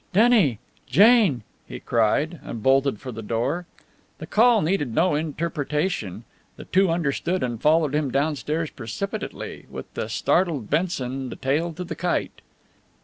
"Denny! Jane!" he cried, and bolted for the door. The call needed no interpretation. The two understood, and followed him downstairs precipitately, with the startled Benson the tail to the kite.